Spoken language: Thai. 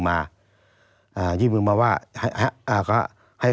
ตั้งแต่ปี๒๕๓๙๒๕๔๘